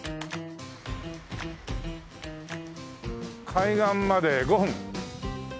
海岸まで５分。